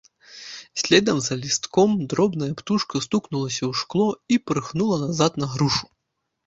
Следам за лістком дробная птушка стукнулася ў шкло і пырхнула назад на грушу.